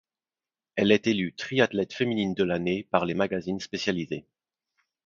Elle est élue triathlète féminine de l'année par les magazines spécialisés.